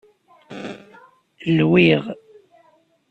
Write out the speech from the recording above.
Ilwiɣ.